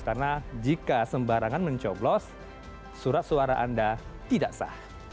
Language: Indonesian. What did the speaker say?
karena jika sembarangan mencoplos surat suara anda tidak sah